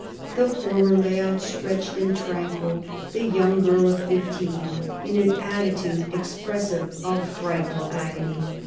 The former lay outstretched and tranquil; the young girl of fifteen, in an attitude expressive of frightful agony.